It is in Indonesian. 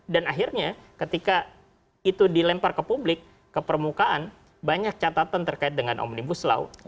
dan akhirnya ketika itu dilempar ke publik ke permukaan banyak catatan terkait dengan omnibus law